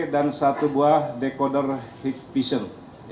dan satu buah decoder heat vision